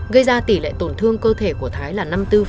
gây ra tỷ lệ tổn thương cơ thể của thái là năm mươi bốn